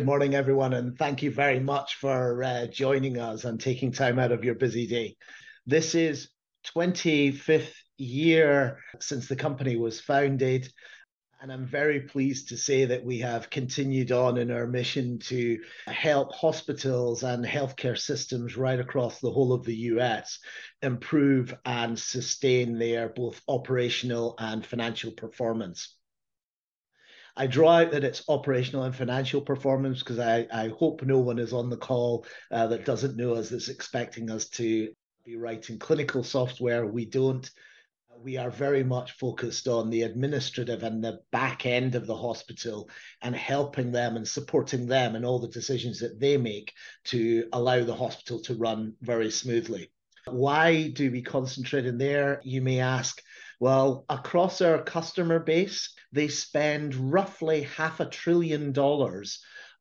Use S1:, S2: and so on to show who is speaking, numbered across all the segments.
S1: Good morning, everyone, and thank you very much for joining us and taking time out of your busy day. This is 25th year since the company was founded, and I'm very pleased to say that we have continued on in our mission to help hospitals and healthcare systems right across the whole of the U.S. improve and sustain their both operational and financial performance. I draw out that it's operational and financial performance, 'cause I hope no one is on the call that doesn't know us is expecting us to be writing clinical software. We don't. We are very much focused on the administrative and the back end of the hospital, and helping them and supporting them in all the decisions that they make to allow the hospital to run very smoothly. Why do we concentrate in there, you may ask? Well, across our customer base, they spend roughly $500 billion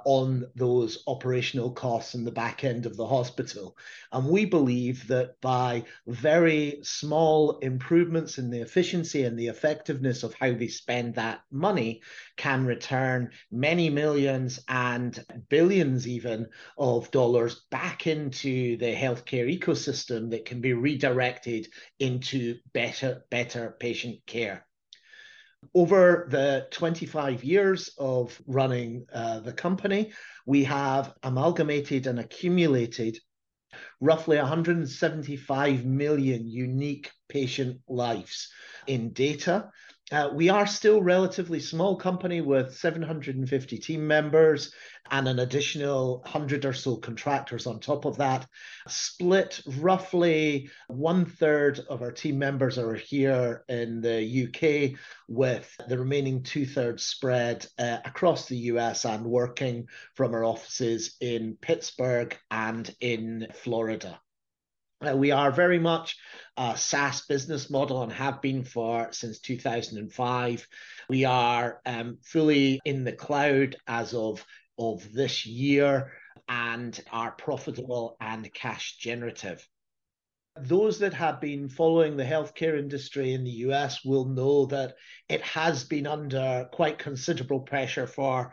S1: on those operational costs in the back end of the hospital, and we believe that by very small improvements in the efficiency and the effectiveness of how they spend that money, can return many $ millions and even $ billions back into the healthcare ecosystem that can be redirected into better, better patient care. Over the 25 years of running the company, we have amalgamated and accumulated roughly 175 million unique patient lives in data. We are still relatively small company with 750 team members, and an additional 100 or so contractors on top of that. Split roughly, one third of our team members are here in the U.K., with the remaining two-thirds spread across the U.S. and working from our offices in Pittsburgh and in Florida. We are very much a SaaS business model and have been for since 2005. We are fully in the cloud as of this year, and are profitable and cash generative. Those that have been following the healthcare industry in the U.S. will know that it has been under quite considerable pressure for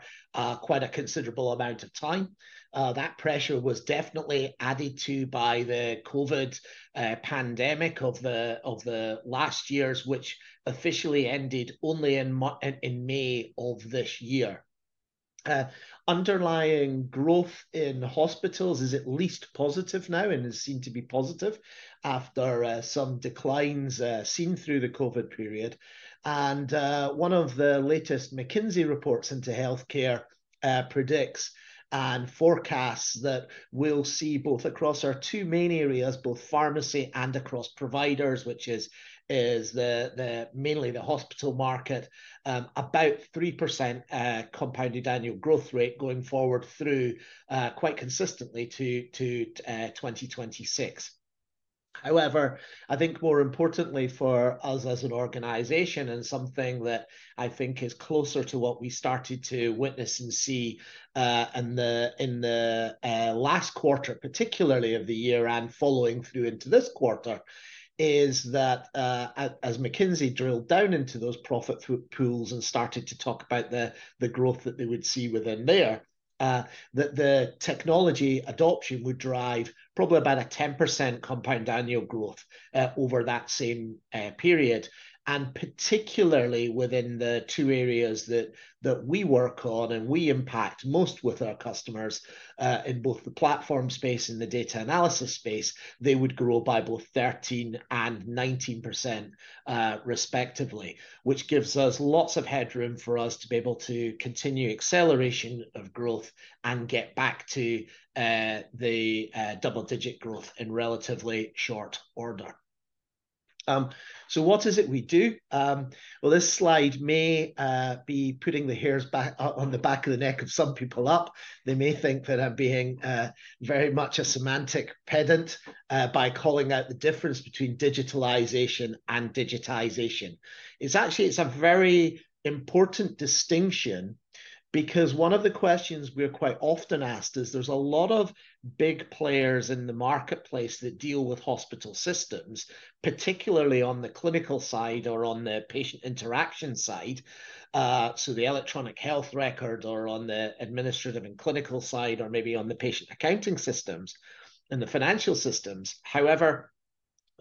S1: quite a considerable amount of time. That pressure was definitely added to by the COVID pandemic of the last years, which officially ended only in May of this year. Underlying growth in hospitals is at least positive now, and is seen to be positive after some declines seen through the COVID period. One of the latest McKinsey reports into healthcare predicts and forecasts that we'll see both across our two main areas, both pharmacy and across providers, which is mainly the hospital market, about 3%, compounded annual growth rate going forward through quite consistently to 2026. However, I think more importantly for us as an organization and something that I think is closer to what we started to witness and see in the last quarter, particularly of the year and following through into this quarter, is that as McKinsey drilled down into those profit pools and started to talk about the growth that they would see within there, that the technology adoption would drive probably about a 10% compound annual growth over that same period. Particularly within the two areas that we work on, and we impact most with our customers, in both the platform space and the data analysis space, they would grow by both 13% and 19%, respectively, which gives us lots of headroom for us to be able to continue acceleration of growth and get back to the double-digit growth in relatively short order. So what is it we do? Well, this slide may be putting the hairs back on the back of the neck of some people up. They may think that I'm being very much a semantic pedant by calling out the difference between digitalization and digitization. It's actually, it's a very important distinction, because one of the questions we're quite often asked is, there's a lot of big players in the marketplace that deal with hospital systems, particularly on the clinical side or on the patient interaction side, so the electronic health record, or on the administrative and clinical side, or maybe on the patient accounting systems and the financial systems. However,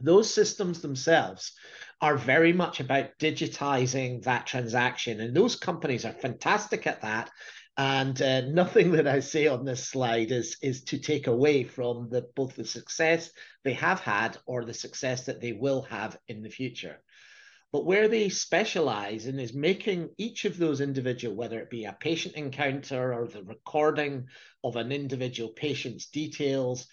S1: those systems themselves are very much about digitizing that transaction, and those companies are fantastic at that. And, nothing that I say on this slide is, is to take away from the, both the success they have had or the success that they will have in the future. But where they specialize in is making each of those individual, whether it be a patient encounter or the recording of an individual patient's details,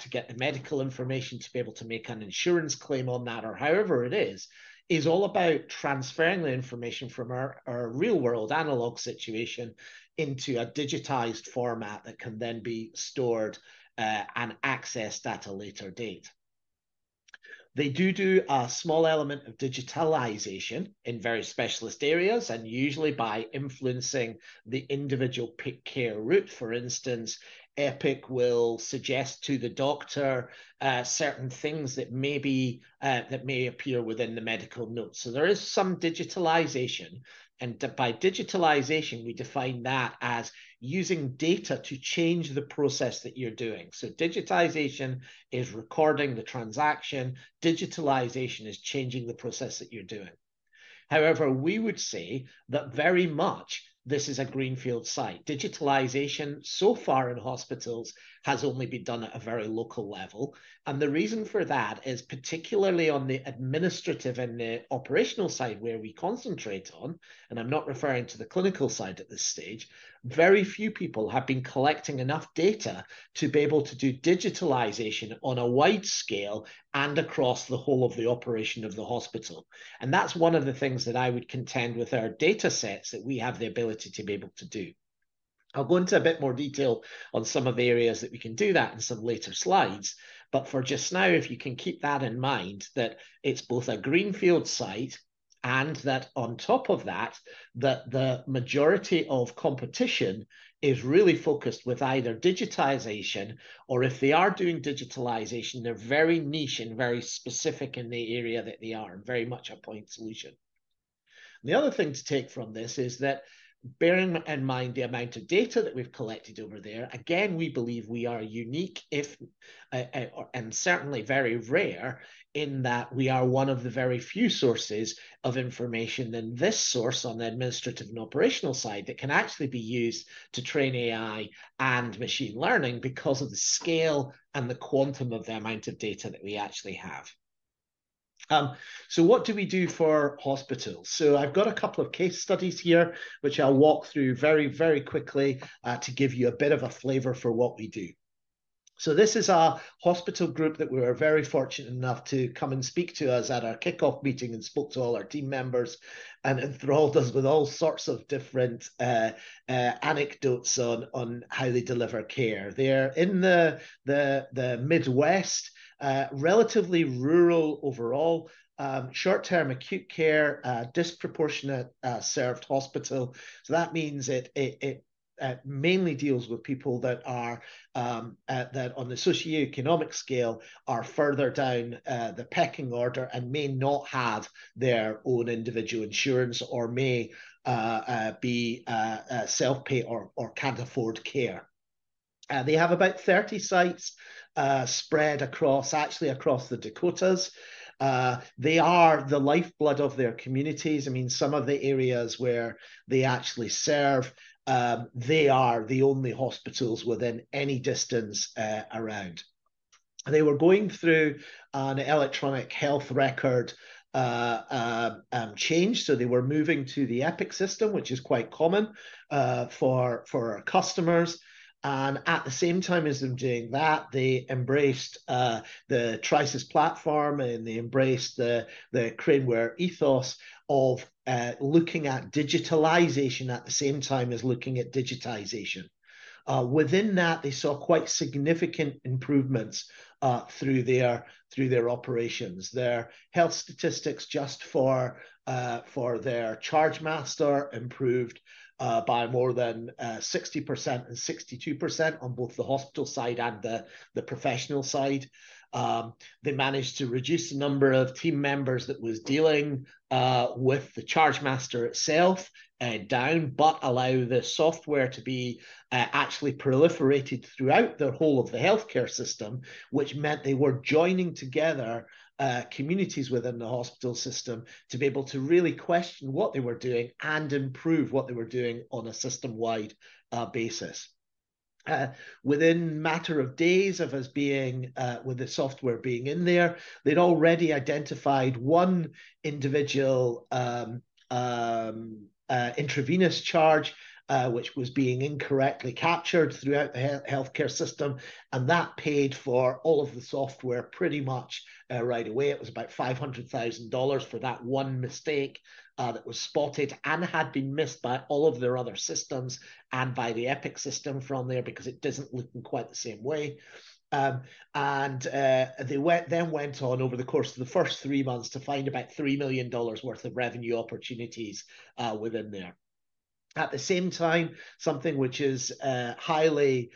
S1: to get the medical information, to be able to make an insurance claim on that or however it is, is all about transferring the information from a real-world analog situation into a digitized format that can then be stored and accessed at a later date. They do a small element of digitalization in very specialist areas, and usually by influencing the individual care route. For instance, Epic will suggest to the doctor certain things that may be, that may appear within the medical notes. So there is some digitalization, and by digitalization, we define that as using data to change the process that you're doing. Digitization is recording the transaction, digitalization is changing the process that you're doing. However, we would say that very much this is a greenfield site. Digitalization so far in hospitals has only been done at a very local level, and the reason for that is particularly on the administrative and the operational side, where we concentrate on, and I'm not referring to the clinical side at this stage, very few people have been collecting enough data to be able to do digitalization on a wide scale and across the whole of the operation of the hospital. That's one of the things that I would contend with our datasets, that we have the ability to be able to do. I'll go into a bit more detail on some of the areas that we can do that in some later slides, but for just now, if you can keep that in mind, that it's both a greenfield site and that on top of that, that the majority of competition is really focused with either digitization or, if they are doing digitalization, they're very niche and very specific in the area, that they are very much a point solution. The other thing to take from this is that bearing in mind the amount of data that we've collected over there, again, we believe we are unique, if, and certainly very rare, in that we are one of the very few sources of information, and this source on the administrative and operational side, that can actually be used to train AI and machine learning because of the scale and the quantum of the amount of data that we actually have. So what do we do for hospitals? So I've got a couple of case studies here, which I'll walk through very, very quickly, to give you a bit of a flavor for what we do. So this is a hospital group that were very fortunate enough to come and speak to us at our kickoff meeting and spoke to all our team members and enthralled us with all sorts of different anecdotes on how they deliver care. They're in the Midwest, relatively rural overall, short-term acute care, disproportionate share hospital. So that means it mainly deals with people that are that on the socioeconomic scale, are further down the pecking order and may not have their own individual insurance or may be self-pay or can't afford care. They have about 30 sites spread across, actually across the Dakotas. They are the lifeblood of their communities. I mean, some of the areas where they actually serve, they are the only hospitals within any distance around. They were going through an electronic health record change, so they were moving to the Epic system, which is quite common for our customers. At the same time as them doing that, they embraced the Trisus platform, and they embraced the Craneware ethos of looking at digitalization at the same time as looking at digitization. Within that, they saw quite significant improvements through their operations. Their health statistics just for their chargemaster improved by more than 60% and 62% on both the hospital side and the professional side. They managed to reduce the number of team members that was dealing with the chargemaster itself down, but allow the software to be actually proliferated throughout the whole of the healthcare system, which meant they were joining together communities within the hospital system to be able to really question what they were doing and improve what they were doing on a system-wide basis. Within a matter of days of us being with the software being in there, they'd already identified one individual intravenous charge which was being incorrectly captured throughout the healthcare system, and that paid for all of the software pretty much right away. It was about $500,000 for that one mistake that was spotted and had been missed by all of their other systems and by the Epic system from there, because it doesn't look in quite the same way. And they then went on over the course of the first three months to find about $3 million worth of revenue opportunities within there. At the same time, something which is highly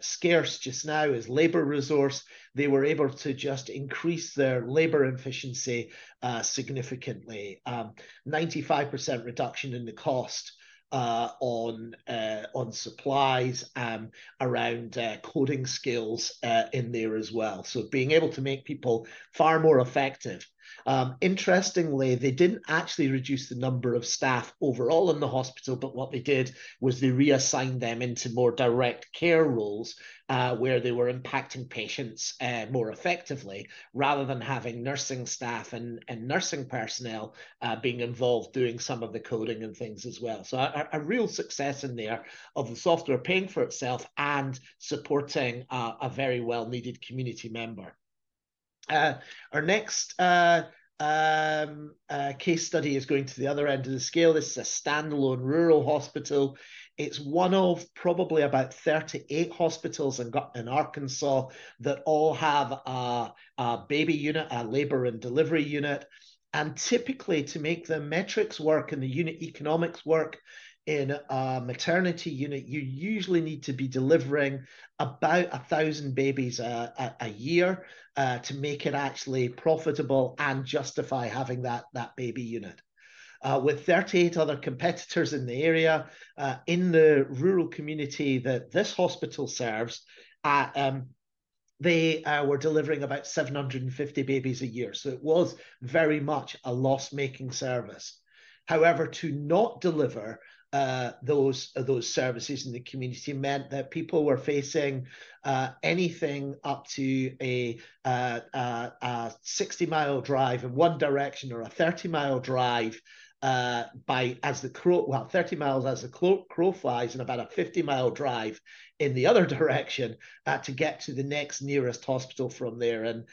S1: scarce just now is labor resource. They were able to just increase their labor efficiency significantly. 95% reduction in the cost on supplies around coding skills in there as well. So being able to make people far more effective. Interestingly, they didn't actually reduce the number of staff overall in the hospital, but what they did was they reassigned them into more direct care roles, where they were impacting patients more effectively, rather than having nursing staff and nursing personnel being involved, doing some of the coding and things as well. So a real success in there of the software paying for itself and supporting a very well-needed community member. Our next case study is going to the other end of the scale. This is a standalone rural hospital. It's one of probably about 38 hospitals in in Arkansas that all have a baby unit, a labor and delivery unit. Typically, to make the metrics work and the unit economics work in a maternity unit, you usually need to be delivering about 1,000 babies a year to make it actually profitable and justify having that baby unit. With 38 other competitors in the area in the rural community that this hospital serves, they were delivering about 750 babies a year, so it was very much a loss-making service. However, to not deliver those services in the community meant that people were facing anything up to a 60-mile drive in one direction or a 30-mile drive by as the crow... Well, 30 miles as the crow flies, and about a 50-mile drive in the other direction to get to the next nearest hospital from there.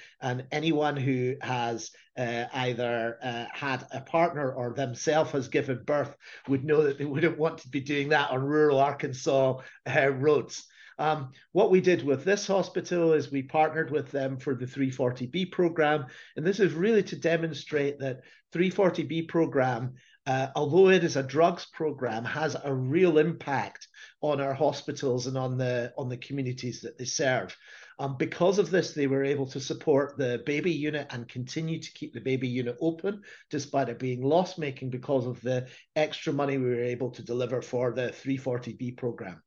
S1: Anyone who has either had a partner or themself has given birth would know that they wouldn't want to be doing that on rural Arkansas roads. What we did with this hospital is we partnered with them for the 340B Program, and this is really to demonstrate that 340B Program, although it is a drugs program, has a real impact on our hospitals and on the communities that they serve. Because of this, they were able to support the baby unit and continue to keep the baby unit open, despite it being loss-making, because of the extra money we were able to deliver for the 340B Program.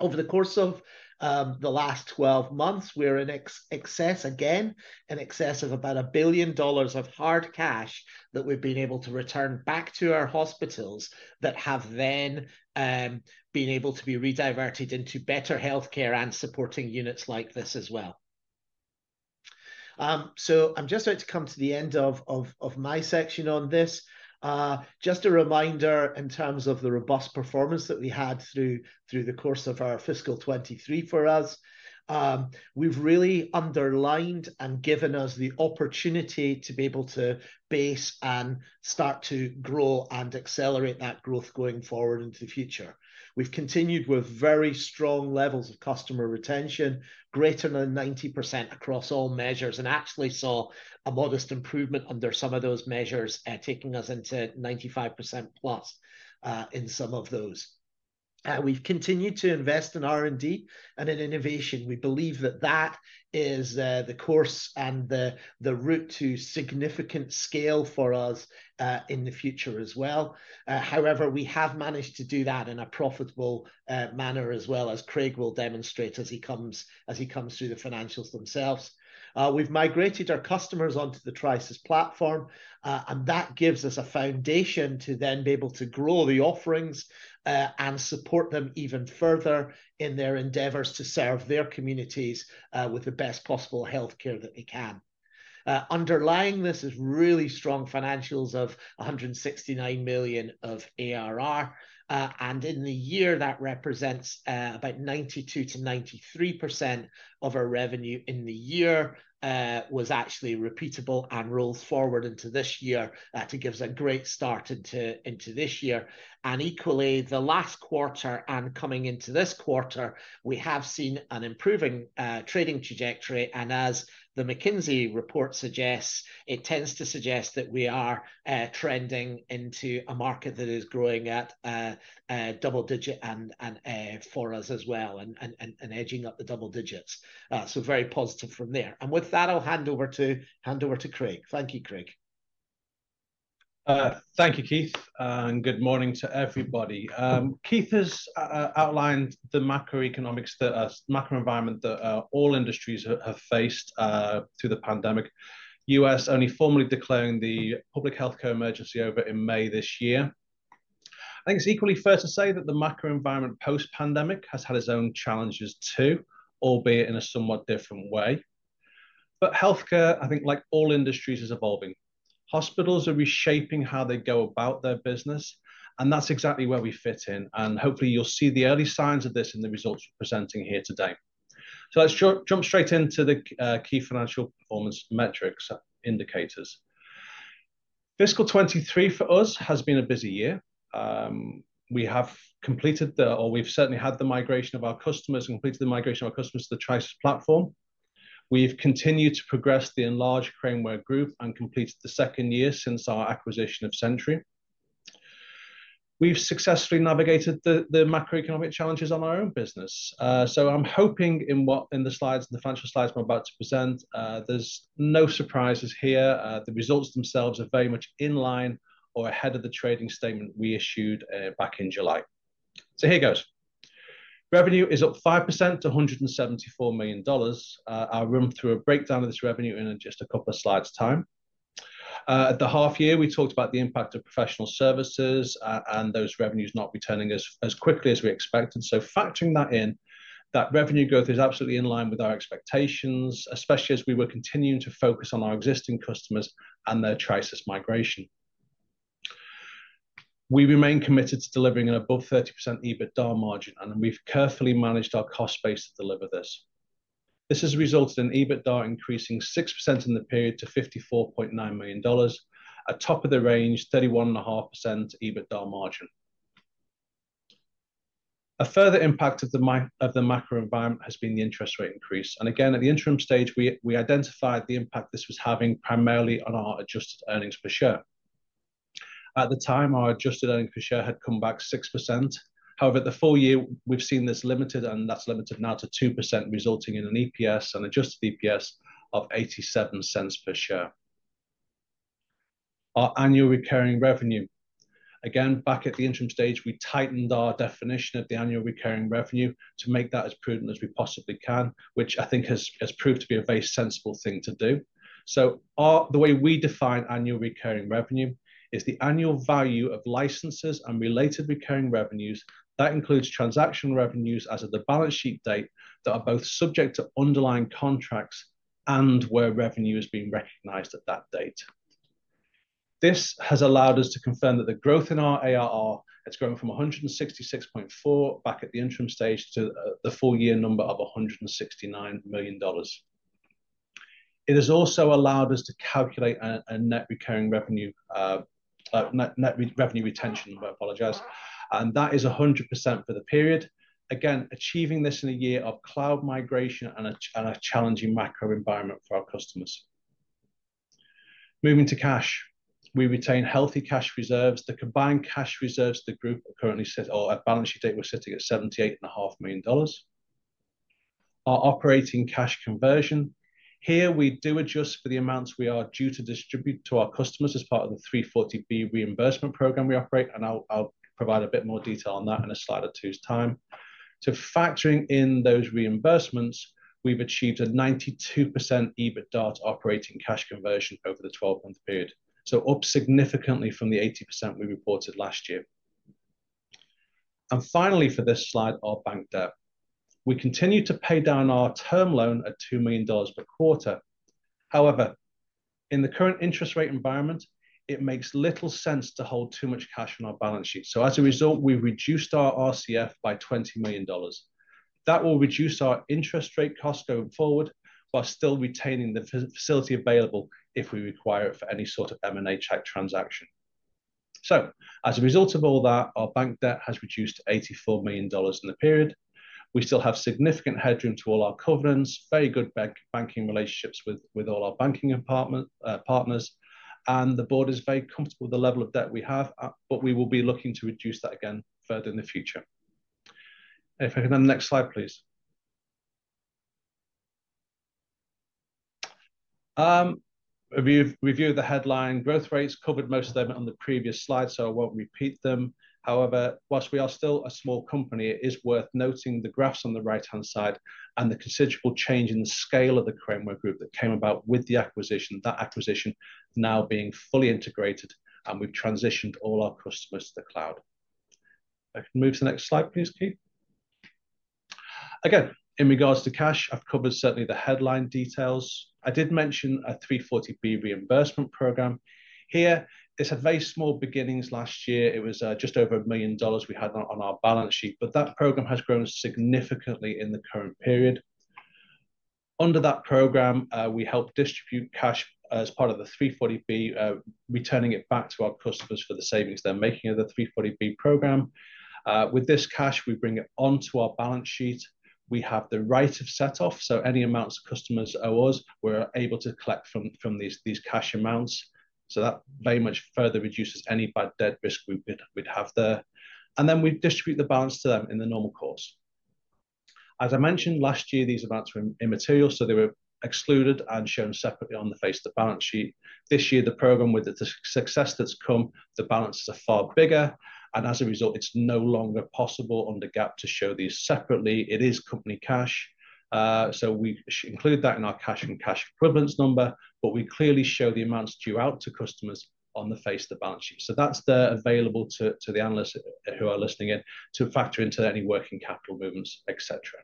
S1: Over the course of the last 12 months, we're in excess again, in excess of about $1 billion of hard cash that we've been able to return back to our hospitals, that have then been able to be rediverted into better healthcare and supporting units like this as well. So I'm just about to come to the end of my section on this. Just a reminder, in terms of the robust performance that we had through the course of our fiscal 2023 for us, we've really underlined and given us the opportunity to be able to base and start to grow and accelerate that growth going forward into the future. We've continued with very strong levels of customer retention, greater than 90% across all measures, and actually saw a modest improvement under some of those measures, taking us into 95% plus in some of those. We've continued to invest in R&D and in innovation. We believe that that is the course and the route to significant scale for us in the future as well. However, we have managed to do that in a profitable manner as well, as Craig will demonstrate as he comes through the financials themselves. We've migrated our customers onto the Trisus platform, and that gives us a foundation to then be able to grow the offerings and support them even further in their endeavors to serve their communities with the best possible healthcare that they can. Underlying this is really strong financials of $169 million of ARR, and in the year, that represents about 92%-93% of our revenue in the year, was actually repeatable and rolls forward into this year. It gives a great start into this year. And equally, the last quarter, and coming into this quarter, we have seen an improving trading trajectory, and as the McKinsey report suggests, it tends to suggest that we are trending into a market that is growing at a double digit and for us as well, and edging up the double digits. So very positive from there. And with that, I'll hand over to Craig. Thank you, Craig.
S2: Thank you, Keith, and good morning to everybody. Keith has outlined the macroeconomics, the macro environment that all industries have, have faced through the pandemic. The U.S. only formally declaring the public health emergency over in May this year. I think it's equally fair to say that the macro environment post-pandemic has had its own challenges, too, albeit in a somewhat different way. But healthcare, I think, like all industries, is evolving. Hospitals are reshaping how they go about their business, and that's exactly where we fit in, and hopefully, you'll see the early signs of this in the results we're presenting here today. So let's jump straight into the key financial performance metrics indicators. Fiscal 2023 for us has been a busy year. We have completed the... or we've certainly had the migration of our customers, and completed the migration of our customers to the Trisus platform. We've continued to progress the enlarged Craneware group and completed the second year since our acquisition of Sentry. We've successfully navigated the macroeconomic challenges on our own business. So I'm hoping in what, in the slides, the financial slides I'm about to present, there's no surprises here. The results themselves are very much in line or ahead of the trading statement we issued, back in July. So here goes. Revenue is up 5% to $174 million. I'll run through a breakdown of this revenue in just a couple of slides' time. At the half year, we talked about the impact of professional services, and those revenues not returning as quickly as we expected. So factoring that in, that revenue growth is absolutely in line with our expectations, especially as we were continuing to focus on our existing customers and their Trisus migration. We remain committed to delivering an above 30% EBITDA margin, and we've carefully managed our cost base to deliver this. This has resulted in EBITDA increasing 6% in the period to $54.9 million, a top of the range, 31.5% EBITDA margin. A further impact of the macro environment has been the interest rate increase. And again, at the interim stage, we identified the impact this was having primarily on our adjusted earnings per share. At the time, our adjusted earnings per share had come back 6%. However, the full year, we've seen this limited, and that's limited now to 2%, resulting in an EPS, an adjusted EPS of $0.87 per share. Our annual recurring revenue. Again, back at the interim stage, we tightened our definition of the annual recurring revenue to make that as prudent as we possibly can, which I think has proved to be a very sensible thing to do. So, the way we define annual recurring revenue is the annual value of licenses and related recurring revenues, that includes transactional revenues as of the balance sheet date, that are both subject to underlying contracts and where revenue is being recognized at that date. This has allowed us to confirm that the growth in our ARR, it's grown from 166.4 back at the interim stage to the full year number of $169 million. It has also allowed us to calculate a net revenue retention, I apologize, and that is 100% for the period. Again, achieving this in a year of cloud migration and a challenging macro environment for our customers. Moving to cash. We retain healthy cash reserves. The combined cash reserves the group are currently sitting at balance sheet date, we're sitting at $78.5 million. Our operating cash conversion. Here, we do adjust for the amounts we are due to distribute to our customers as part of the 340B reimbursement program we operate, and I'll provide a bit more detail on that in a slide or two's time. So factoring in those reimbursements, we've achieved a 92% EBITDA operating cash conversion over the 12-month period, so up significantly from the 80% we reported last year. And finally, for this slide, our bank debt. We continue to pay down our term loan at $2 million per quarter. However, in the current interest rate environment, it makes little sense to hold too much cash on our balance sheet. So as a result, we've reduced our RCF by $20 million. That will reduce our interest rate cost going forward, while still retaining the facility available if we require it for any sort of M&A type transaction. So as a result of all that, our bank debt has reduced to $84 million in the period. We still have significant headroom to all our covenants, very good banking relationships with all our banking partners, and the Board is very comfortable with the level of debt we have, but we will be looking to reduce that again further in the future. If I can have the next slide, please. We've reviewed the headline growth rates, covered most of them on the previous slide, so I won't repeat them. However, while we are still a small company, it is worth noting the graphs on the right-hand side and the considerable change in the scale of the Craneware Group that came about with the acquisition, that acquisition now being fully integrated, and we've transitioned all our customers to the cloud. If I can move to the next slide, please, Keith. Again, in regards to cash, I've covered certainly the headline details. I did mention a 340B reimbursement program. Here, this had very small beginnings last year. It was just over $1 million we had on our balance sheet, but that program has grown significantly in the current period. Under that program, we help distribute cash as part of the 340B, returning it back to our customers for the savings they're making of the 340B program. With this cash, we bring it onto our balance sheet. We have the right of setoff, so any amounts customers owe us, we're able to collect from these cash amounts. So that very much further reduces any bad debt risk we'd have there. And then we distribute the balance to them in the normal course. As I mentioned, last year, these amounts were immaterial, so they were excluded and shown separately on the face of the balance sheet. This year, the program, with the success that's come, the balances are far bigger, and as a result, it's no longer possible under GAAP to show these separately. It is company cash, so we include that in our cash and cash equivalents number, but we clearly show the amounts due out to customers on the face of the balance sheet. So that's there available to the analysts who are listening in, to factor into any working capital movements, et cetera.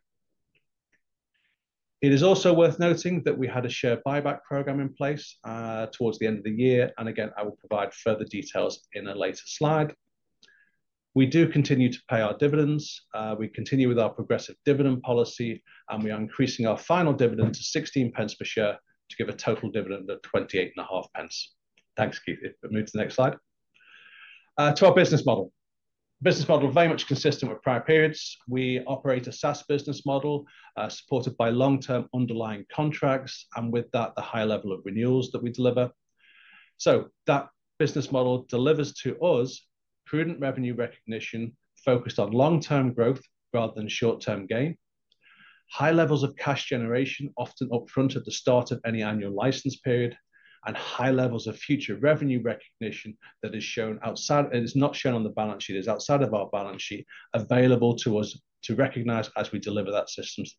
S2: It is also worth noting that we had a share buyback program in place towards the end of the year, and again, I will provide further details in a later slide. We do continue to pay our dividends, we continue with our progressive dividend policy, and we are increasing our final dividend to 16 pence per share to give a total dividend of 28.5 pence. Thanks, Keith. If we move to the next slide. To our business model. Business model, very much consistent with prior periods. We operate a SaaS business model, supported by long-term underlying contracts, and with that, the high level of renewals that we deliver. So that business model delivers to us prudent revenue recognition focused on long-term growth rather than short-term gain, high levels of cash generation, often upfront at the start of any annual license period, and high levels of future revenue recognition that is shown outside. It is not shown on the balance sheet, it is outside of our balance sheet, available to us to recognize as we deliver that systems,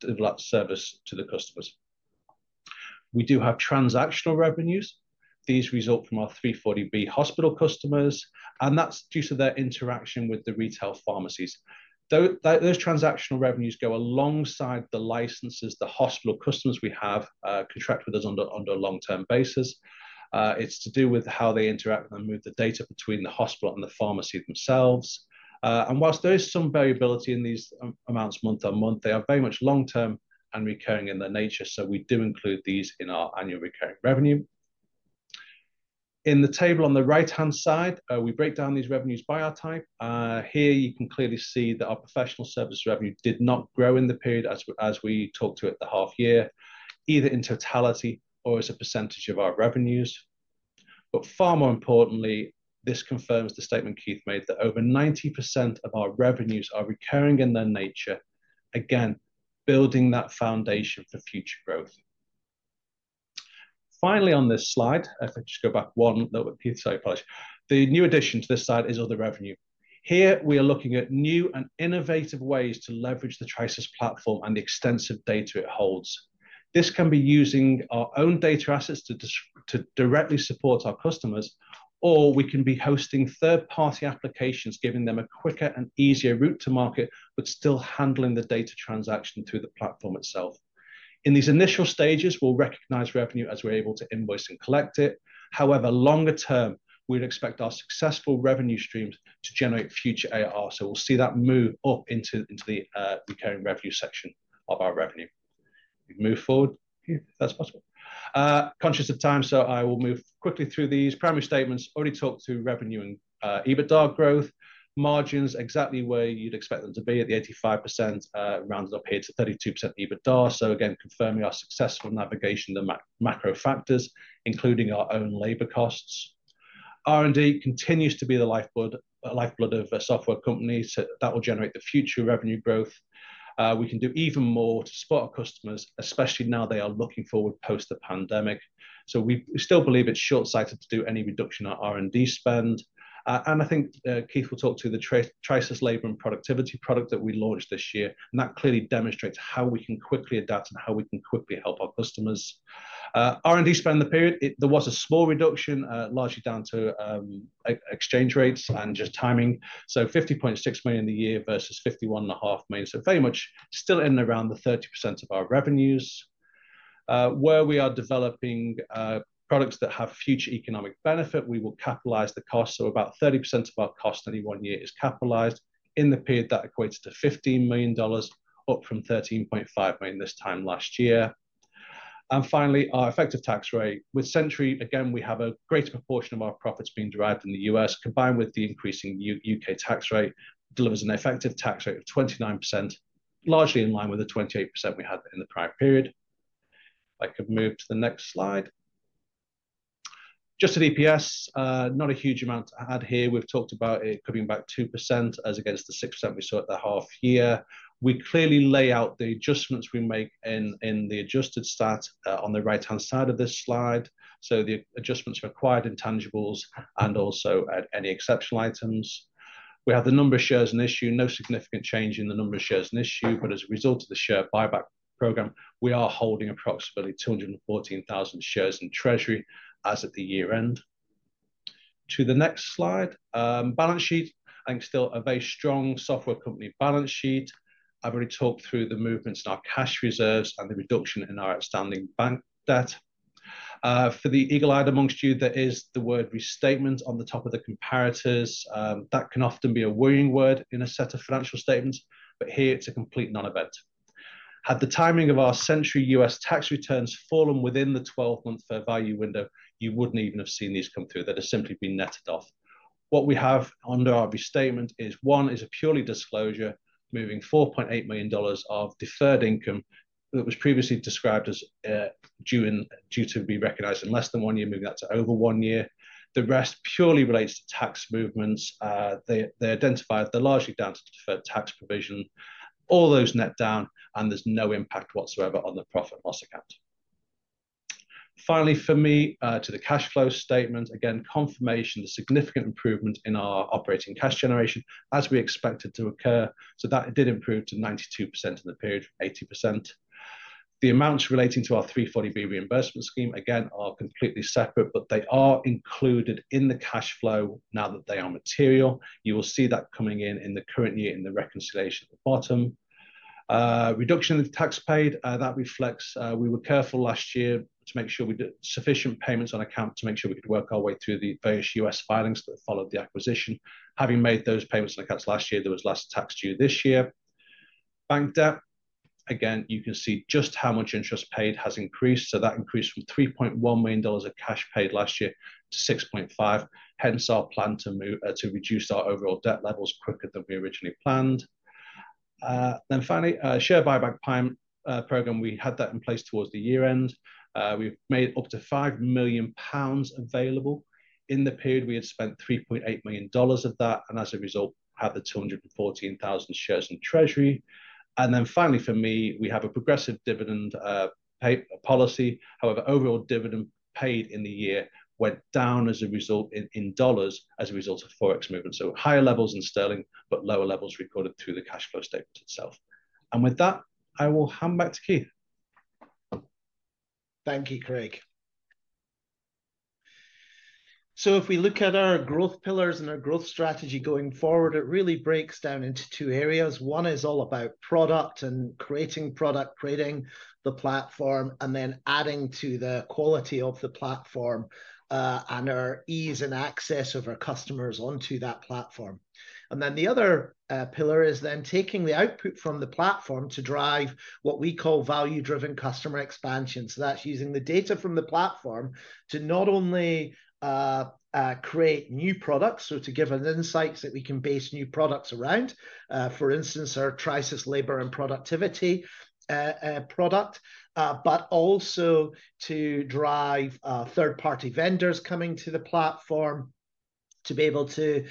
S2: deliver that service to the customers. We do have transactional revenues. These result from our 340B hospital customers, and that's due to their interaction with the retail pharmacies. Though those transactional revenues go alongside the licenses, the hospital customers we have contract with us under a long-term basis. It's to do with how they interact and move the data between the hospital and the pharmacy themselves. While there is some variability in these amounts month-on-month, they are very much long term and recurring in their nature. So we do include these in our annual recurring revenue. In the table on the right-hand side, we break down these revenues by our type. Here you can clearly see that our professional service revenue did not grow in the period as we talked to at the half year, either in totality or as a percentage of our revenues. But far more importantly, this confirms the statement Keith made, that over 90% of our revenues are recurring in their nature. Again, building that foundation for future growth. Finally, on this slide, if I just go back one, that would be so please. The new addition to this slide is other revenue. Here, we are looking at new and innovative ways to leverage the Trisus platform and the extensive data it holds. This can be using our own data assets to directly support our customers, or we can be hosting third-party applications, giving them a quicker and easier route to market, but still handling the data transaction through the platform itself. In these initial stages, we'll recognize revenue as we're able to invoice and collect it. However, longer term, we'd expect our successful revenue streams to generate future AR, so we'll see that move up into the recurring revenue section of our revenue. Move forward, if that's possible. Conscious of time, so I will move quickly through these primary statements. Already talked to revenue and EBITDA growth. Margins, exactly where you'd expect them to be, at the 85%, rounds up here to 32% EBITDA. So again, confirming our successful navigation, the macro factors, including our own labor costs. R&D continues to be the lifeblood of a software company, so that will generate the future revenue growth. We can do even more to support our customers, especially now they are looking forward post the pandemic. So we, we still believe it's short-sighted to do any reduction on R&D spend. And I think, Keith will talk to the Trisus Labor and Productivity product that we launched this year, and that clearly demonstrates how we can quickly adapt and how we can quickly help our customers. R&D spend the period, there was a small reduction, largely down to exchange rates and just timing. So $50.6 million in the year versus $51.5 million. So very much still in and around the 30% of our revenues. Where we are developing products that have future economic benefit, we will capitalize the cost. So about 30% of our cost any one year is capitalized. In the period, that equates to $15 million, up from $13.5 million this time last year. And finally, our effective tax rate. With Sentry, again, we have a greater proportion of our profits being derived in the U.S., combined with the increasing U.K. tax rate, delivers an effective tax rate of 29%, largely in line with the 28% we had in the prior period. If I could move to the next slide. Just at EPS, not a huge amount to add here. We've talked about it coming back 2%, as against the 6% we saw at the half year. We clearly lay out the adjustments we make in the adjusted stat on the right-hand side of this slide. So the adjustments for acquired intangibles and also at any exceptional items. We have the number of shares in issue, no significant change in the number of shares in issue, but as a result of the share buyback program, we are holding approximately 214,000 shares in treasury as at the year-end. To the next slide. Balance sheet, and still a very strong software company balance sheet. I've already talked through the movements in our cash reserves and the reduction in our outstanding bank debt. For the eagle-eyed among you, there is the word restatement on the top of the comparators. That can often be a worrying word in a set of financial statements, but here it's a complete non-event. Had the timing of our Sentry U.S. tax returns fallen within the 12-month fair value window, you wouldn't even have seen these come through. They'd have simply been netted off. What we have under our restatement is, one, is a purely disclosure, moving $4.8 million of deferred income that was previously described as, due in, due to be recognized in less than one year, moving that to over one year. The rest purely relates to tax movements. They, they identified they're largely down to deferred tax provision. All those net down, and there's no impact whatsoever on the profit/loss account. Finally, for me, to the cash flow statement, again, confirmation, the significant improvement in our operating cash generation as we expected to occur, so that did improve to 92% in the period from 80%. The amounts relating to our 340B reimbursement scheme, again, are completely separate, but they are included in the cash flow now that they are material. You will see that coming in in the current year in the reconciliation at the bottom. Reduction in the tax paid, that reflects. We were careful last year to make sure we did sufficient payments on account to make sure we could work our way through the various U.S. filings that followed the acquisition. Having made those payments on accounts last year, there was less tax due this year. Bank debt, again, you can see just how much interest paid has increased. That increased from $3.1 million of cash paid last year to $6.5 million. Hence, our plan to reduce our overall debt levels quicker than we originally planned. Then finally, share buyback program, we had that in place towards the year-end. We've made up to 5 million pounds available. In the period, we had spent $3.8 million of that, and as a result, had the 214,000 shares in treasury. Then finally, for me, we have a progressive dividend pay policy. However, overall dividend paid in the year went down as a result, in dollars, as a result of Forex movement. So higher levels in sterling, but lower levels recorded through the cash flow statement itself. And with that, I will hand back to Keith.
S1: Thank you, Craig. So if we look at our growth pillars and our growth strategy going forward, it really breaks down into two areas. One is all about product and creating product, creating the platform, and then adding to the quality of the platform, and our ease and access of our customers onto that platform. And then the other pillar is then taking the output from the platform to drive what we call value-driven customer expansion. So that's using the data from the platform to not only create new products, so to give us insights that we can base new products around, for instance, our Trisus Labor and Productivity product, but also to drive third-party vendors coming to the platform to be able to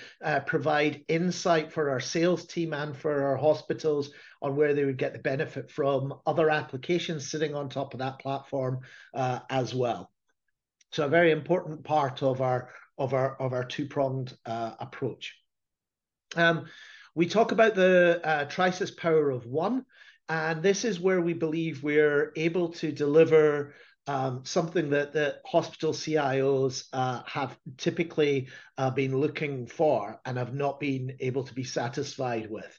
S1: provide insight for our sales team and for our hospitals on where they would get the benefit from other applications sitting on top of that platform, as well. So a very important part of our two-pronged approach. We talk about the Trisus Power of One, and this is where we believe we're able to deliver something that the hospital CIOs have typically been looking for and have not been able to be satisfied with.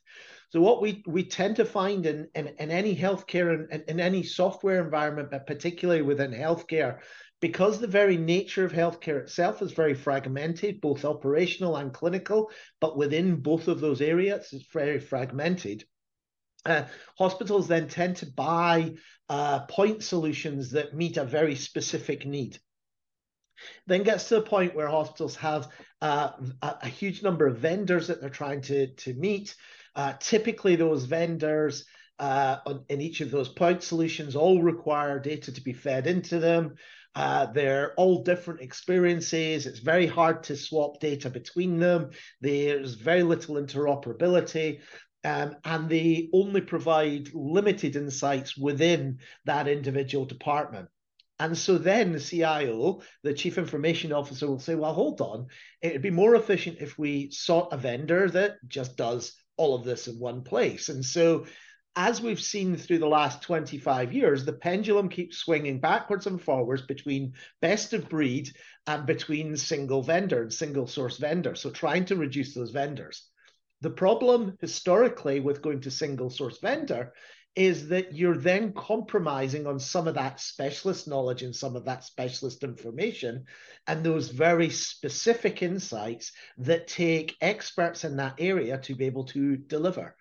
S1: So what we tend to find in any healthcare, in any software environment, but particularly within healthcare, because the very nature of healthcare itself is very fragmented, both operational and clinical, but within both of those areas, it's very fragmented. Hospitals then tend to buy point solutions that meet a very specific need. Then it gets to the point where hospitals have a huge number of vendors that they're trying to meet. Typically, those vendors in each of those point solutions all require data to be fed into them. They're all different experiences. It's very hard to swap data between them. There's very little interoperability, and they only provide limited insights within that individual department. And so then the CIO, the chief information officer, will say, "Well, hold on. It'd be more efficient if we sought a vendor that just does all of this in one place." And so, as we've seen through the last 25 years, the pendulum keeps swinging backwards and forwards between best of breed and between single vendor, single source vendor, so trying to reduce those vendors. The problem historically with going to single source vendor is that you're then compromising on some of that specialist knowledge and some of that specialist information, and those very specific insights that take experts in that area to be able to deliver.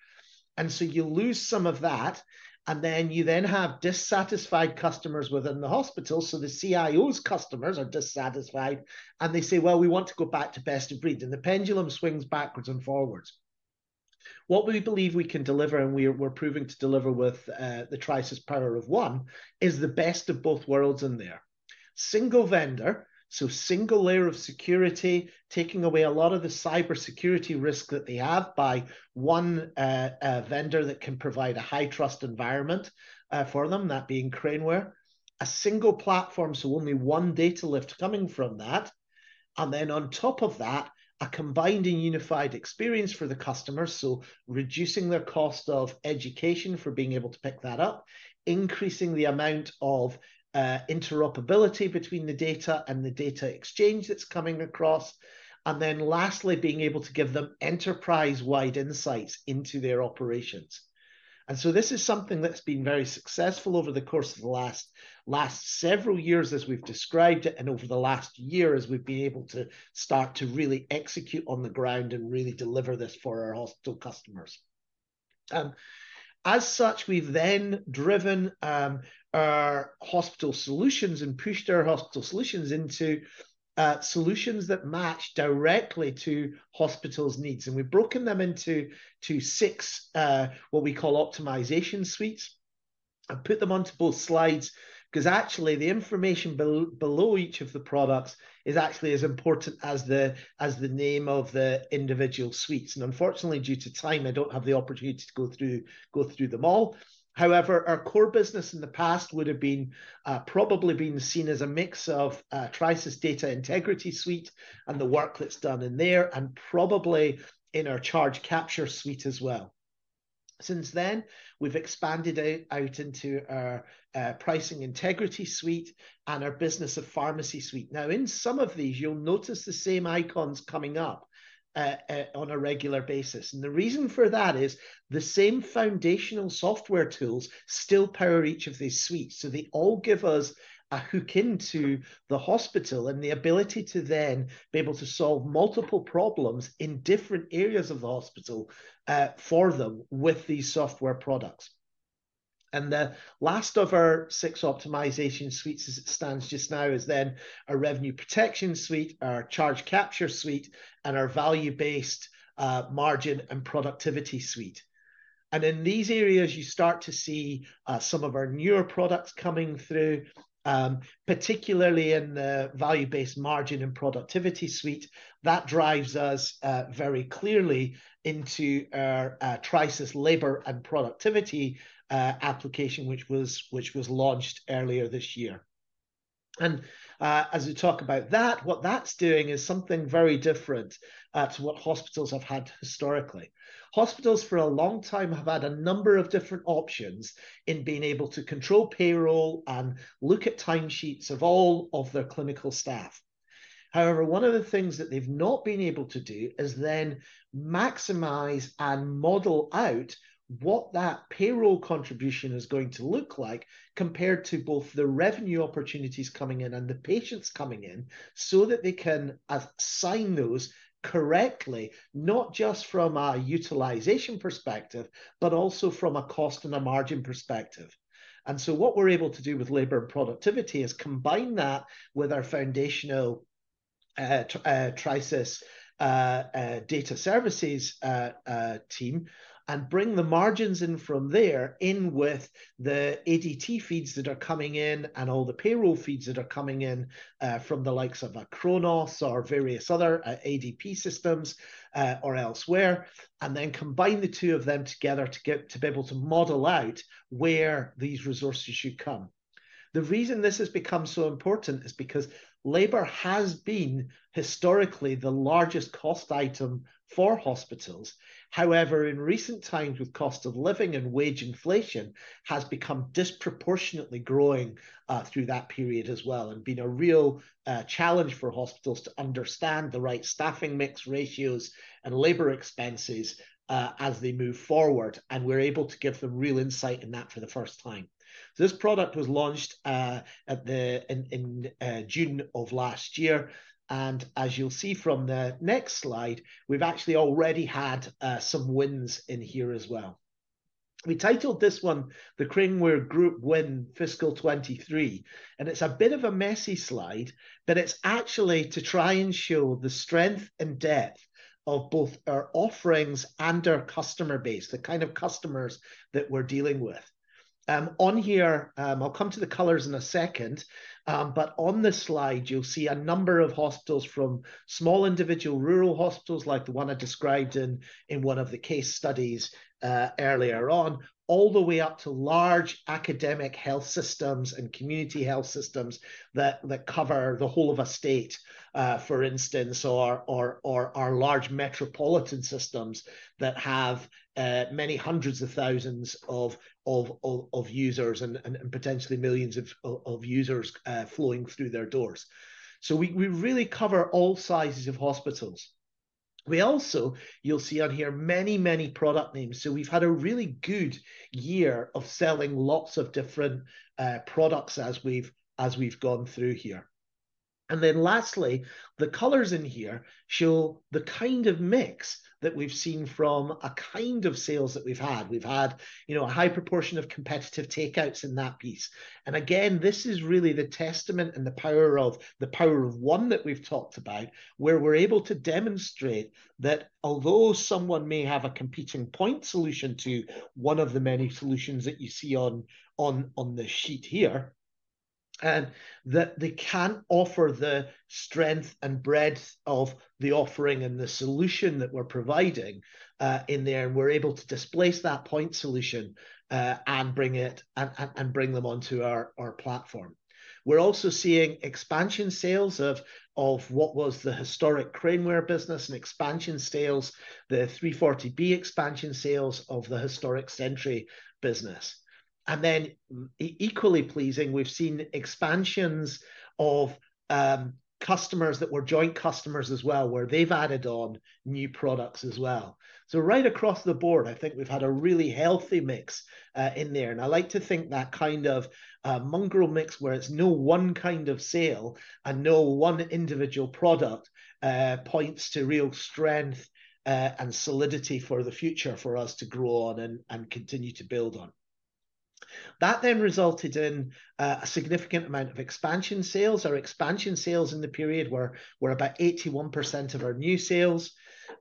S1: And so you lose some of that, and then you then have dissatisfied customers within the hospital. So the CIO's customers are dissatisfied, and they say, "Well, we want to go back to best of breed," and the pendulum swings backwards and forwards. What we believe we can deliver, and we're proving to deliver with the Trisus Power of One, is the best of both worlds in there. Single vendor, so single layer of security, taking away a lot of the cybersecurity risk that they have by one vendor that can provide a high trust environment for them, that being Craneware. A single platform, so only one data lift coming from that. And then on top of that, a combined and unified experience for the customer, so reducing their cost of education for being able to pick that up, increasing the amount of interoperability between the data and the data exchange that's coming across, and then lastly, being able to give them enterprise-wide insights into their operations. So this is something that's been very successful over the course of the last several years as we've described it, and over the last year, as we've been able to start to really execute on the ground and really deliver this for our hospital customers. As such, we've then driven our hospital solutions and pushed our hospital solutions into solutions that match directly to hospitals' needs, and we've broken them into six what we call optimization suites. I've put them onto both slides, 'cause actually the information below each of the products is actually as important as the name of the individual suites. Unfortunately, due to time, I don't have the opportunity to go through them all. However, our core business in the past would've been, probably been seen as a mix of, Trisus Data Integrity Suite and the work that's done in there, and probably in our Charge Capture Suite as well. Since then, we've expanded out into our, Pricing Integrity Suite and our Business of Pharmacy Suite. Now, in some of these, you'll notice the same icons coming up on a regular basis. And the reason for that is the same foundational software tools still power each of these suites. So they all give us a hook into the hospital, and the ability to then be able to solve multiple problems in different areas of the hospital, for them with these software products. And the last of our six optimization suites, as it stands just now, is then our Revenue Protection Suite, our Charge Capture Suite, and our Value-Based Margin and Productivity Suite. In these areas, you start to see some of our newer products coming through, particularly in the Value-Based Margin and Productivity Suite. That drives us very clearly into our Trisus Labor and Productivity application, which was launched earlier this year. And as we talk about that, what that's doing is something very different to what hospitals have had historically. Hospitals, for a long time, have had a number of different options in being able to control payroll and look at timesheets of all of their clinical staff. However, one of the things that they've not been able to do is then maximize and model out what that payroll contribution is going to look like, compared to both the revenue opportunities coming in and the patients coming in, so that they can assign those correctly, not just from a utilization perspective, but also from a cost and a margin perspective. So what we're able to do with labor and productivity is combine that with our foundational Trisus data services team, and bring the margins in from there with the ADT feeds that are coming in and all the payroll feeds that are coming in from the likes of, like, Kronos or various other ADP systems or elsewhere, and then combine the two of them together to be able to model out where these resources should come. The reason this has become so important is because labor has been historically the largest cost item for hospitals. However, in recent times, with cost of living and wage inflation, has become disproportionately growing through that period as well, and been a real challenge for hospitals to understand the right staffing mix ratios and labor expenses as they move forward, and we're able to give them real insight in that for the first time. So this product was launched in June of last year, and as you'll see from the next slide, we've actually already had some wins in here as well. We titled this one the Craneware Group Win Fiscal 2023, and it's a bit of a messy slide, but it's actually to try and show the strength and depth of both our offerings and our customer base, the kind of customers that we're dealing with. On here, I'll come to the colors in a second, but on this slide, you'll see a number of hospitals, from small individual rural hospitals like the one I described in one of the case studies earlier on, all the way up to large academic health systems and community health systems that cover the whole of a state, for instance, or our large metropolitan systems that have many hundreds of thousands of users and potentially millions of users flowing through their doors. So we really cover all sizes of hospitals. We also, you'll see on here, many product names. So we've had a really good year of selling lots of different products as we've gone through here. Then lastly, the colors in here show the kind of mix that we've seen from a kind of sales that we've had. We've had, you know, a high proportion of competitive takeouts in that piece. And again, this is really the testament and the power of, the Power of One that we've talked about, where we're able to demonstrate that although someone may have a competing point solution to one of the many solutions that you see on this sheet here, that they can't offer the strength and breadth of the offering and the solution that we're providing in there. We're able to displace that point solution and bring them onto our platform. We're also seeing expansion sales of what was the historic Craneware business and expansion sales, the 340B expansion sales of the historic Sentry business. And then equally pleasing, we've seen expansions of, customers that were joint customers as well, where they've added on new products as well. So right across the board, I think we've had a really healthy mix, in there. And I like to think that kind of a mongrel mix, where it's no one kind of sale and no one individual product, points to real strength, and solidity for the future for us to grow on and continue to build on. That then resulted in, a significant amount of expansion sales. Our expansion sales in the period were about 81% of our new sales.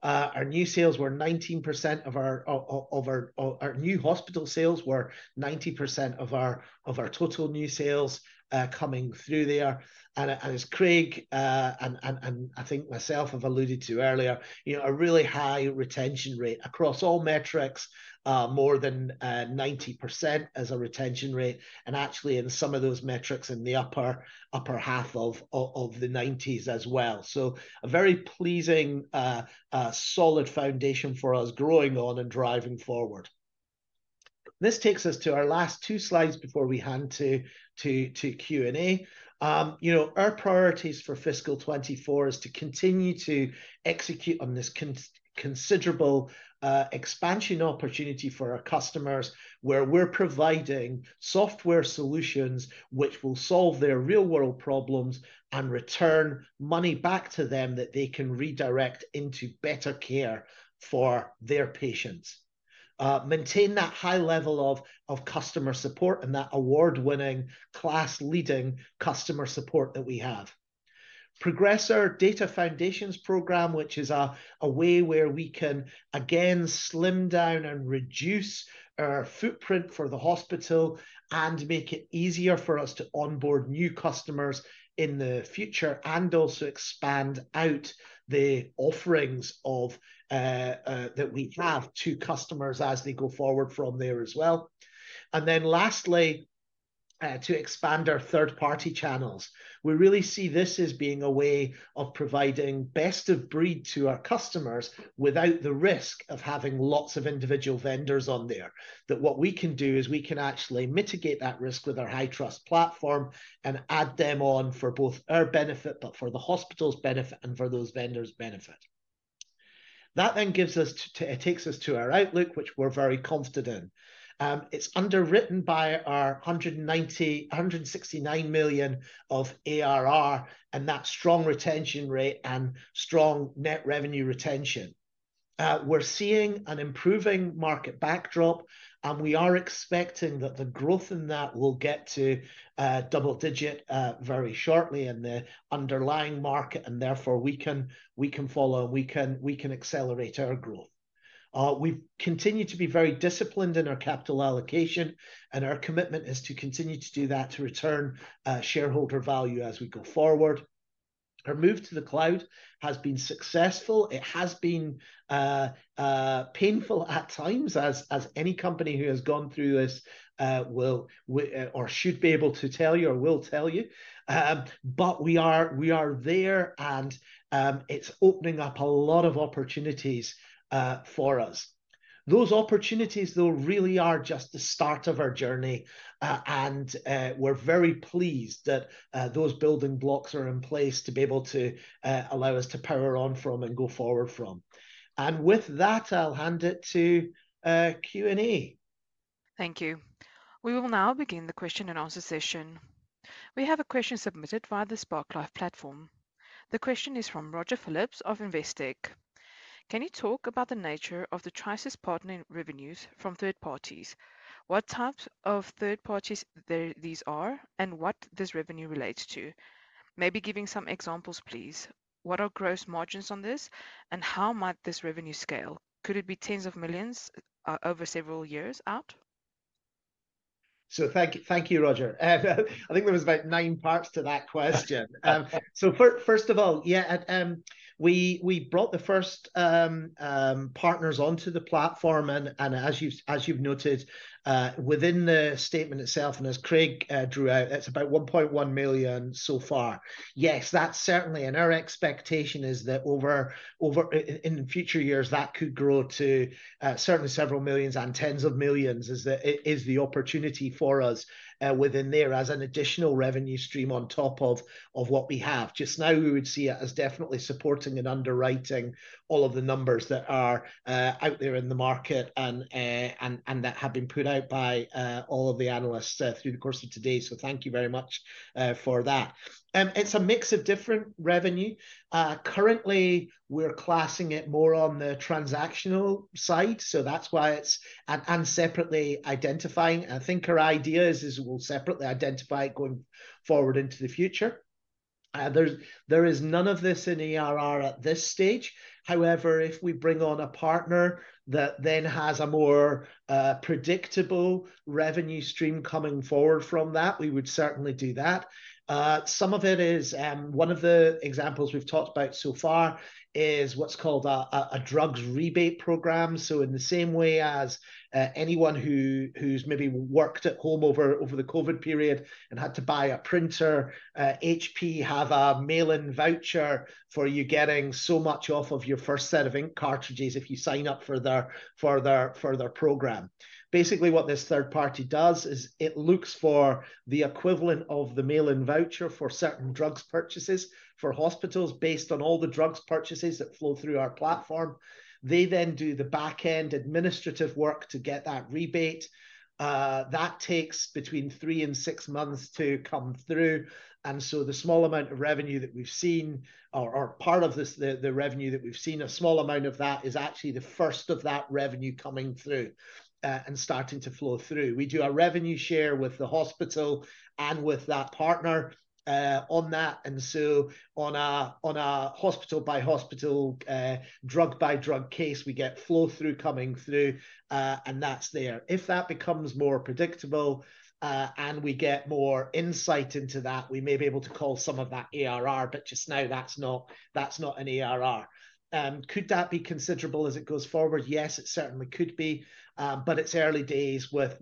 S1: Our new sales were 19% of our... Of our new hospital sales were 90% of our total new sales, coming through there. As Craig and I think myself have alluded to earlier, you know, a really high retention rate across all metrics. More than 90% as a retention rate, and actually in some of those metrics in the upper half of the 90s as well. So a very pleasing solid foundation for us growing on and driving forward. This takes us to our last two slides before we hand to Q&A. You know, our priorities for fiscal 2024 is to continue to execute on this considerable expansion opportunity for our customers, where we're providing software solutions which will solve their real-world problems and return money back to them that they can redirect into better care for their patients. Maintain that high level of customer support and that award-winning, class-leading customer support that we have. Progress our Data Foundations program, which is a way where we can again slim down and reduce our footprint for the hospital and make it easier for us to onboard new customers in the future, and also expand out the offerings of that we have to customers as they go forward from there as well. And then lastly to expand our third-party channels. We really see this as being a way of providing best of breed to our customers without the risk of having lots of individual vendors on there. That what we can do, is we can actually mitigate that risk with our high-trust platform and add them on for both our benefit, but for the hospital's benefit and for those vendors' benefit. That then gives us to. It takes us to our outlook, which we're very confident in. It's underwritten by our $169 million of ARR, and that strong retention rate and strong net revenue retention. We're seeing an improving market backdrop, and we are expecting that the growth in that will get to double-digit very shortly in the underlying market, and therefore, we can follow and we can accelerate our growth. We've continued to be very disciplined in our capital allocation, and our commitment is to continue to do that to return shareholder value as we go forward. Our move to the cloud has been successful. It has been painful at times, as any company who has gone through this will or should be able to tell you or will tell you. But we are there, and it's opening up a lot of opportunities for us. Those opportunities, though, really are just the start of our journey. We're very pleased that those building blocks are in place to be able to allow us to power on from and go forward from. With that, I'll hand it to Q&A.
S3: Thank you. We will now begin the question and answer session. We have a question submitted via the SparkLive platform. The question is from Roger Phillips of Investec. Can you talk about the nature of the Trisus partner revenues from third parties? What types of third parties these are, and what this revenue relates to? Maybe giving some examples, please. What are gross margins on this, and how might this revenue scale? Could it be $10s of millions over several years out?
S1: So thank you, Roger. I think there was about nine parts to that question. So first of all, yeah, we brought the first partners onto the platform, and as you've noted, within the statement itself, and as Craig drew out, it's about $1.1 million so far. Yes, that's certainly... And our expectation is that over in future years, that could grow to certainly several million and tens of millions, as is the opportunity for us within there as an additional revenue stream on top of what we have. Just now, we would see it as definitely supporting and underwriting all of the numbers that are out there in the market and that have been put out by all of the analysts through the course of today. So thank you very much for that. It's a mix of different revenue. Currently, we're classing it more on the transactional side, so that's why it's and separately identifying. I think our idea is we'll separately identify it going forward into the future. There's none of this in ARR at this stage. However, if we bring on a partner that then has a more predictable revenue stream coming forward from that, we would certainly do that. Some of it is, one of the examples we've talked about so far is what's called a drugs rebate program. So in the same way as anyone who's maybe worked at home over the COVID period and had to buy a printer, HP have a mail-in voucher for you getting so much off of your first set of ink cartridges if you sign up for their program. Basically, what this third party does is it looks for the equivalent of the mail-in voucher for certain drugs purchases for hospitals, based on all the drugs purchases that flow through our platform. They then do the back-end administrative work to get that rebate. That takes between three and six months to come through, and so the small amount of revenue that we've seen or part of this, the revenue that we've seen, a small amount of that is actually the first of that revenue coming through and starting to flow through. We do our revenue share with the hospital and with that partner on that, and so on a hospital-by-hospital drug-by-drug case, we get flow through coming through and that's there. If that becomes more predictable and we get more insight into that, we may be able to call some of that ARR, but just now, that's not, that's not an ARR. Could that be considerable as it goes forward? Yes, it certainly could be, but it's early days with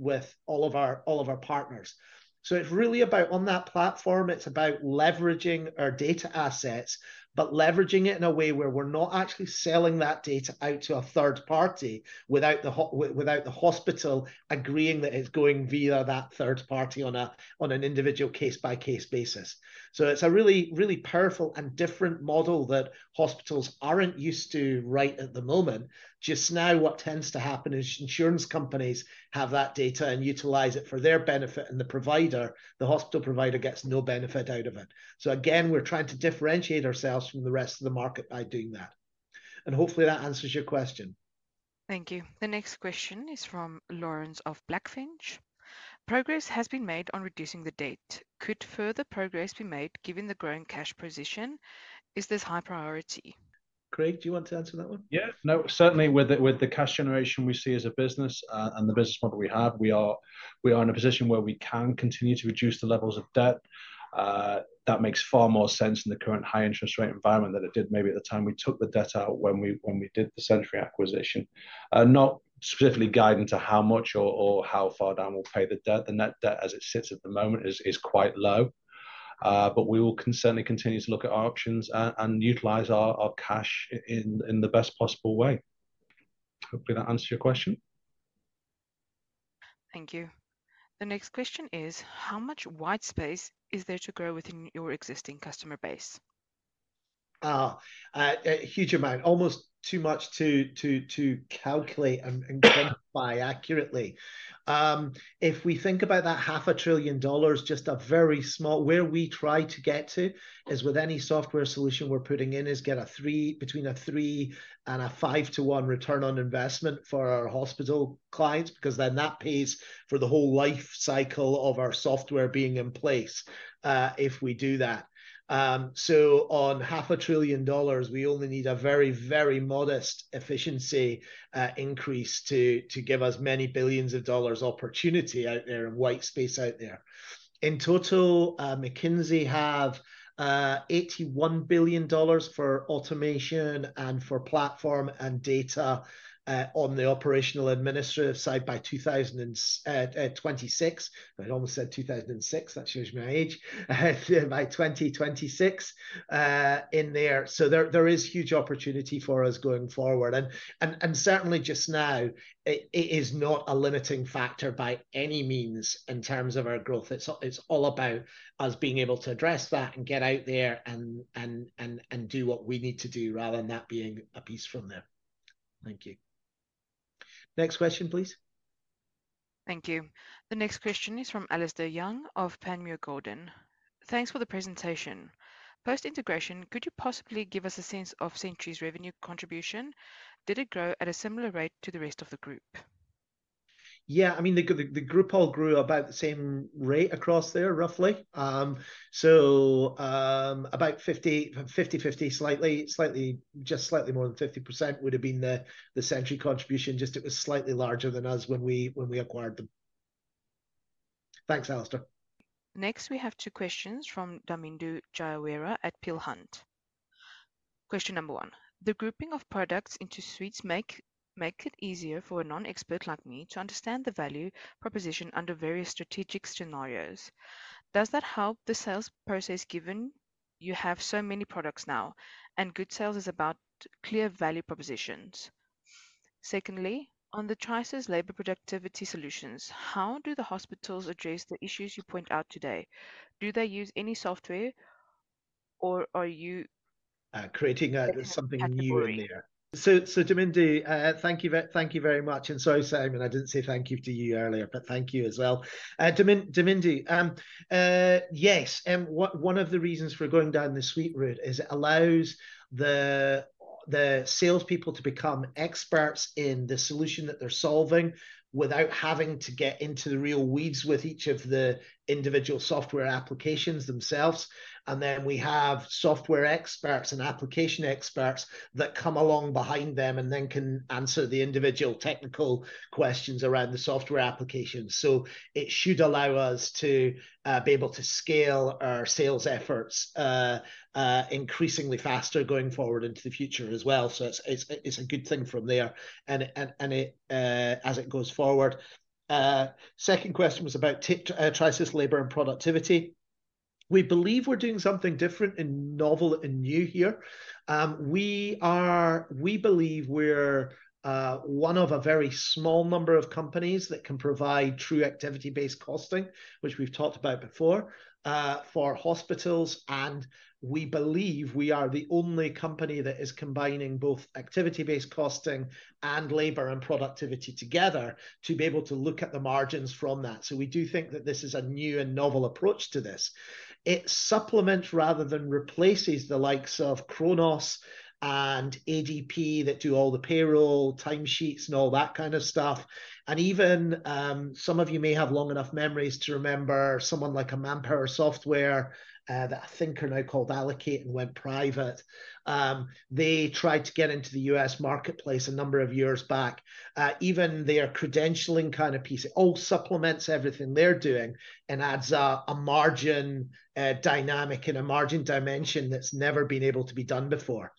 S1: all of our partners. So it's really about, on that platform, it's about leveraging our data assets, but leveraging it in a way where we're not actually selling that data out to a third party without the hospital agreeing that it's going via that third party on a, on an individual case-by-case basis. So it's a really, really powerful and different model that hospitals aren't used to right at the moment. Just now, what tends to happen is insurance companies have that data and utilize it for their benefit, and the provider, the hospital provider, gets no benefit out of it. So again, we're trying to differentiate ourselves from the rest of the market by doing that, and hopefully that answers your question.
S3: Thank you. The next question is from Lawrence of Blackfinch: Progress has been made on reducing the debt. Could further progress be made, given the growing cash position? Is this high priority? ...
S1: Craig, do you want to answer that one?
S2: Yeah. No, certainly with the cash generation we see as a business, and the business model we have, we are in a position where we can continue to reduce the levels of debt. That makes far more sense in the current high interest rate environment than it did maybe at the time we took the debt out when we did the Sentry acquisition. Not specifically guide into how much or how far down we'll pay the debt. The net debt, as it sits at the moment, is quite low. But we will certainly continue to look at our options and utilize our cash in the best possible way. Hopefully that answered your question.
S3: Thank you. The next question is: How much white space is there to grow within your existing customer base?
S1: A huge amount. Almost too much to calculate and quantify accurately. If we think about that half a trillion dollars, just a very small... Where we try to get to is, with any software solution we're putting in, to get between a three and a five-to-one return on investment for our hospital clients, because then that pays for the whole life cycle of our software being in place, if we do that. So on half a trillion dollars, we only need a very, very modest efficiency increase to give us many billions of dollars opportunity out there, white space out there. In total, McKinsey have $81 billion for automation and for platform and data on the operational administrative side by 2026. I almost said 2006, that shows my age. By 2026, in there. So there is huge opportunity for us going forward. And certainly just now, it is not a limiting factor by any means in terms of our growth. It's all about us being able to address that and get out there and do what we need to do, rather than that being a piece from there. Thank you. Next question, please.
S3: Thank you. The next question is from Alistair Young of Panmure Gordon. Thanks for the presentation. Post-integration, could you possibly give us a sense of Sentry's revenue contribution? Did it grow at a similar rate to the rest of the group?
S1: Yeah, I mean, the group all grew about the same rate across there, roughly. So, about 50/50, slightly, just slightly more than 50% would have been the Sentry contribution. Just, it was slightly larger than us when we acquired them. Thanks, Alistair.
S3: Next, we have two questions from Damindu Jayaweera at Peel Hunt. Question number one: The grouping of products into suites make it easier for a non-expert like me to understand the value proposition under various strategic scenarios. Does that help the sales process, given you have so many products now, and good sales is about clear value propositions? Secondly, on the Trisus Labor Productivity Solutions, how do the hospitals address the issues you point out today? Do they use any software, or are you-
S1: Creating, something new in there?
S3: -category.
S1: So, Damindu, thank you very much. And sorry, Simon, I didn't say thank you to you earlier, but thank you as well. Damindu, yes, one of the reasons for going down the suite route is it allows the salespeople to become experts in the solution that they're solving without having to get into the real weeds with each of the individual software applications themselves. And then we have software experts and application experts that come along behind them, and then can answer the individual technical questions around the software application. So it should allow us to be able to scale our sales efforts increasingly faster, going forward into the future as well. So it's a good thing from there, and it as it goes forward. Second question was about Trisus Labor and Productivity. We believe we're doing something different and novel and new here. We believe we're one of a very small number of companies that can provide true activity-based costing, which we've talked about before, for hospitals. And we believe we are the only company that is combining both activity-based costing and labor and productivity together, to be able to look at the margins from that. So we do think that this is a new and novel approach to this. It supplements rather than replaces the likes of Kronos and ADP, that do all the payroll, timesheets, and all that kind of stuff. And even, some of you may have long enough memories to remember someone like a Manpower Software, that I think are now called Allocate, and went private. They tried to get into the U.S. marketplace a number of years back. Even their credentialing kind of piece, it all supplements everything they're doing and adds a margin dynamic and a margin dimension that's never been able to be done before.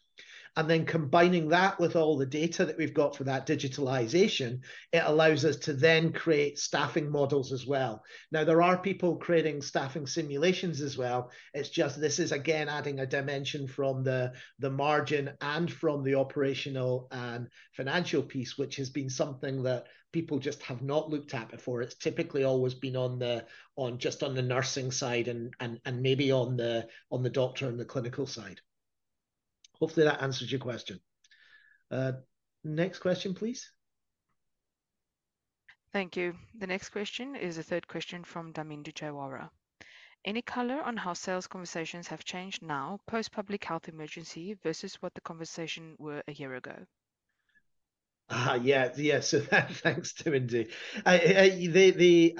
S1: And then combining that with all the data that we've got for that digitalization, it allows us to then create staffing models as well. Now, there are people creating staffing simulations as well. It's just, this is again, adding a dimension from the margin and from the operational and financial piece, which has been something that people just have not looked at before. It's typically always been on the just on the nursing side and maybe on the doctor and the clinical side. Hopefully that answers your question. Next question, please.
S3: Thank you. The next question is the third question from Damindu Jayaweera. Any color on how sales conversations have changed now, post public health emergency, versus what the conversation were a year ago?...
S1: Ah, yeah, yeah. So thanks, Damindu. They, they,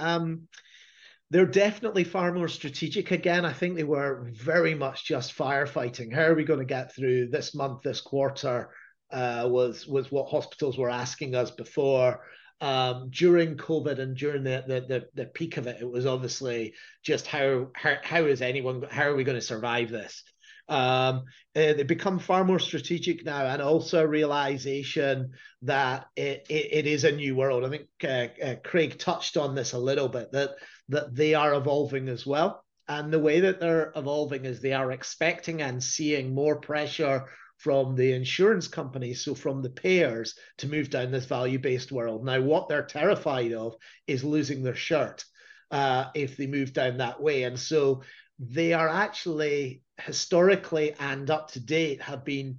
S1: they're definitely far more strategic. Again, I think they were very much just firefighting. "How are we gonna get through this month, this quarter?" was what hospitals were asking us before. During COVID and during the peak of it, it was obviously just how is anyone- how are we gonna survive this? They've become far more strategic now, and also a realization that it is a new world. I think Craig touched on this a little bit, that they are evolving as well, and the way that they're evolving is they are expecting and seeing more pressure from the insurance companies, so from the payers, to move down this value-based world. Now, what they're terrified of is losing their shirt, if they move down that way, and so they are actually historically and up to date, have been,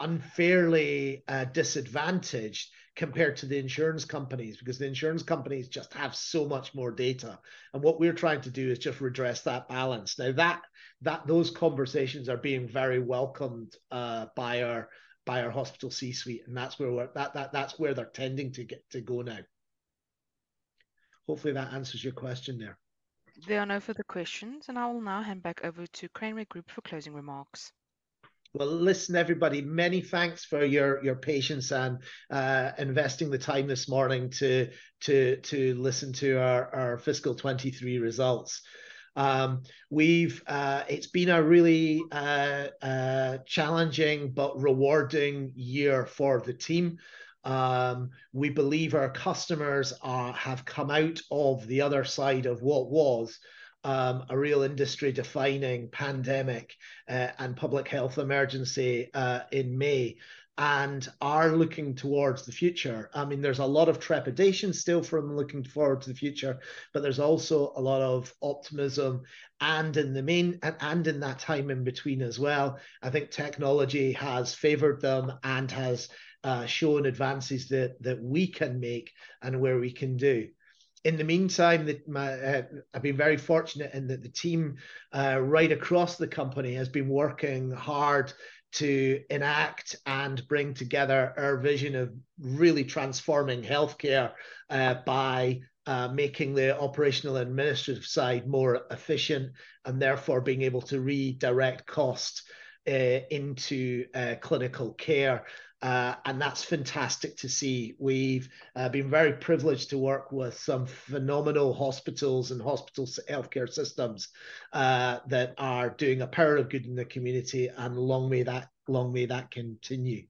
S1: unfairly, disadvantaged compared to the insurance companies, because the insurance companies just have so much more data, and what we're trying to do is just redress that balance. Now, that, that- those conversations are being very welcomed, by our, by our hospital C-suite, and that's where we're... That, that, that's where they're tending to get- to go now. Hopefully, that answers your question there.
S3: There are no further questions, and I will now hand back over to Craneware Group for closing remarks.
S1: Well, listen, everybody, many thanks for your patience and investing the time this morning to listen to our fiscal 2023 results. We've. It's been a really challenging but rewarding year for the team. We believe our customers have come out of the other side of what was a real industry-defining pandemic and public health emergency in May, and are looking towards the future. I mean, there's a lot of trepidation still from looking forward to the future, but there's also a lot of optimism, and in the main and in that time in between as well, I think technology has favored them and has shown advances that we can make and where we can do. In the meantime, my, I've been very fortunate in that the team right across the company has been working hard to enact and bring together our vision of really transforming healthcare by making the operational and administrative side more efficient, and therefore being able to redirect costs into clinical care. And that's fantastic to see. We've been very privileged to work with some phenomenal hospitals and hospitals' healthcare systems that are doing a power of good in the community, and long may that, long may that continue.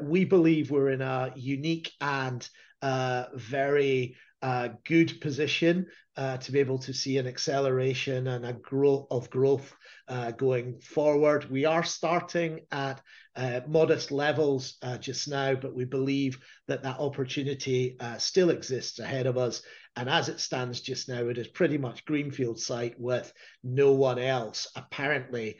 S1: We believe we're in a unique and very good position to be able to see an acceleration and growth going forward. We are starting at modest levels just now, but we believe that that opportunity still exists ahead of us. As it stands just now, it is pretty much greenfield site with no one else apparently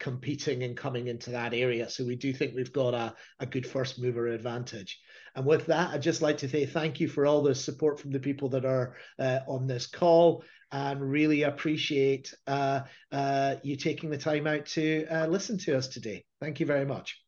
S1: competing and coming into that area. So we do think we've got a good first-mover advantage. And with that, I'd just like to say thank you for all the support from the people that are on this call, and really appreciate you taking the time out to listen to us today. Thank you very much.